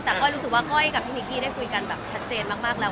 แต่ก้อยรู้สึกว่าก้อยกับพี่นิกกี้ได้คุยกันแบบชัดเจนมากแล้ว